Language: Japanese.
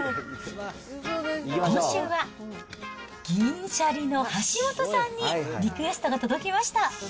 今週は、銀シャリの橋本さんにリクエストが届きました。